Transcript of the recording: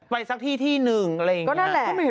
ไปสักที่ที่หนึ่งอะไรอย่างนี้